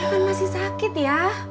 kan masih sakit ya